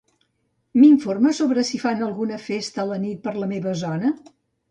M'informes sobre si fan alguna festa a la nit per la meva zona?